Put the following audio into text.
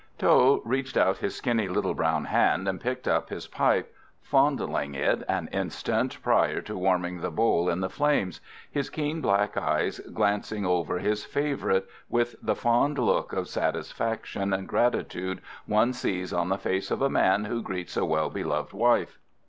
Tho reached out his skinny little brown hand and picked up his pipe, fondling it an instant prior to warming the bowl in the flames, his keen black eyes glancing over his favourite with the fond look of satisfaction and gratitude one sees on the face of a man who greets a well beloved wife.